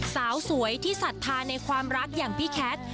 สาวสวยที่ศรัทธาในความรักอย่างพี่แคท